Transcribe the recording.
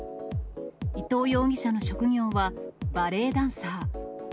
伊藤容疑者の職業は、バレエダンサー。